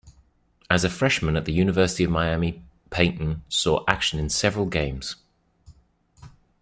As a freshman at the University of Miami, Payton saw action in several games.